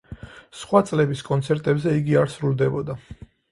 სხვა წლების კონცერტებზე იგი არ სრულდებოდა.